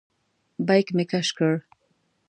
بیک مې کش کړ.